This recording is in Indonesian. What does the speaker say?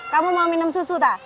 kamu mau minum susu tak